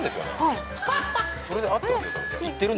それで合ってますよたぶん。